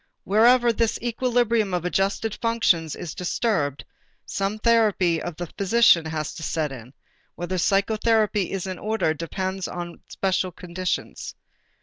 Wherever this equilibrium of adjusted functions is disturbed, some therapy of the physician has to set in: whether psychotherapy is in order depends upon the special conditions.